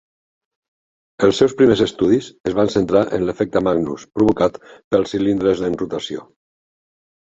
Els seus primers estudis es van centrar en l'efecte Magnus provocat pels cilindres en rotació.